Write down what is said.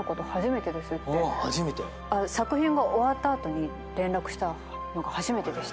初めて⁉作品が終わった後連絡したのが初めてでした。